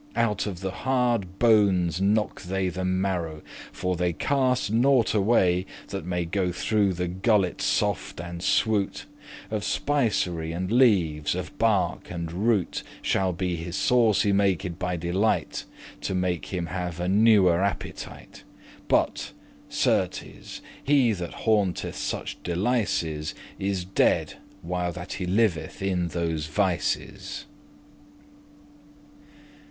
Out of the harde bones knocke they The marrow, for they caste naught away That may go through the gullet soft and swoot* *sweet Of spicery and leaves, of bark and root, Shall be his sauce y maked by delight, To make him have a newer appetite. But, certes, he that haunteth such delices Is dead while that he liveth in those vices.